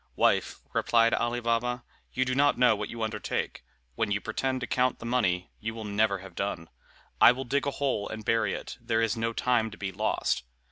"Wife," replied Ali Baba, "you do not know what you undertake, when you pretend to count the money; you will never have done. I will dig a hole and bury it. There is no time to be lost."